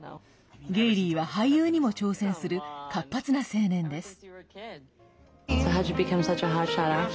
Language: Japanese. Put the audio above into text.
ゲイリーは俳優にも挑戦する活発な青年です。